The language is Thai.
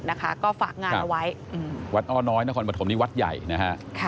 นะคะก็ฝากงานเอาไว้วัดอ้อน้อยนครปฐมนี่วัดใหญ่นะฮะ